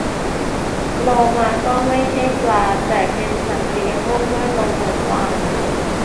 โลมา ก็ไม่ใช่ปลา แต่เป็นสัตว์เลี้ยงลูกด้วยนมเหมือนวาฬ